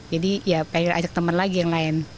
jadi ya pengen ajak teman lagi yang lain